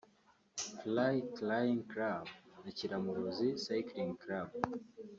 Fly Clying Club na Kiramuruzi Cycling Club